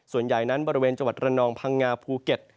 ส่วนใหญ่นั้นบริเวณจังหวัดระนองพังงาภูเก็ต